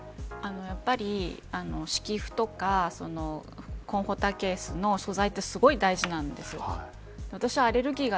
やっぱり、敷布とかコンフォタケースの存在ってすごく大事なんですよ。